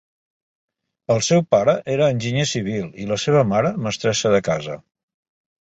El seu pare era enginyer civil i la seva mare, mestressa de casa.